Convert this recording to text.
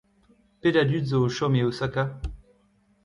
Pet a dud zo o chom e Osaka ?